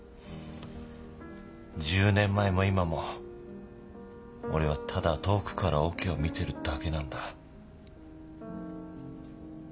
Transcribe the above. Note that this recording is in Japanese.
１０年前も今も俺はただ遠くからオケを見てるだけなんだ。